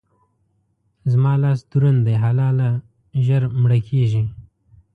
زما لاس دروند دی؛ حلاله ژر مړه کېږي.